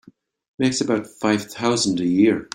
Makes about five thousand a year.